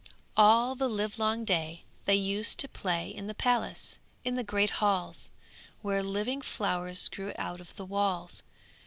All the livelong day they used to play in the palace in the great halls, where living flowers grew out of the walls.